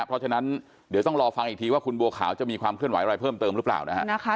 เพราะฉะนั้นเดี๋ยวต้องรอฟังอีกทีว่าคุณบัวขาวจะมีความเคลื่อนไหวอะไรเพิ่มเติมหรือเปล่านะฮะ